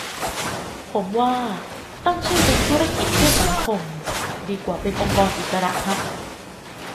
ผมว่าตั้งชื่อเป็น ธุรกิจเพื่อสังคม ดีกว่าเป็น องค์กรอิสระ ฮะ